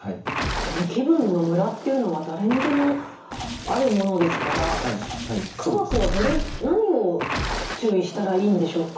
気分のむらっていうのは誰にでもあるものですから家族は何を注意したらいいんでしょうか？